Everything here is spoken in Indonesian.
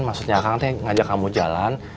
maksudnya akang ngejak kamu jalan